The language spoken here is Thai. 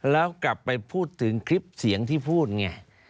แล้วกลับไปพูดถึงคลิปเสียงที่พูดไง